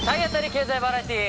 経済バラエティー。